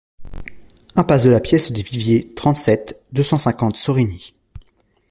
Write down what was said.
Impasse de la Pièce des Viviers, trente-sept, deux cent cinquante Sorigny